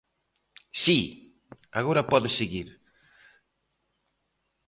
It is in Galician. Si, agora pode seguir.